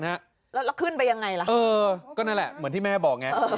แล้วขึ้นไปยังไงล่ะเออก็นั่นแหละเหมือนที่แม่บอกไง